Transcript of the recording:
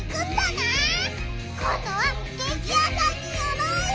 今どはケーキ屋さんによろうよ！